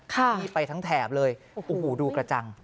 ที่ไปทั้งแถบเลยโอ้โหดูกระจัง